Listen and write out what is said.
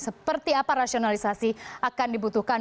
seperti apa rasionalisasi akan dibutuhkan